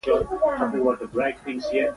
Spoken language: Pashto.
ملک صاحب نن بیا ډېر کارته پورته کېږي.